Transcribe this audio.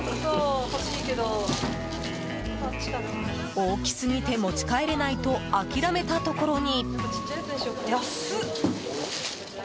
大きすぎて持ち帰れないと諦めたところに。